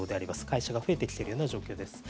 会社が増えてきているような状況です。